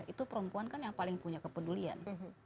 itu perempuan kan yang paling punya kepedulian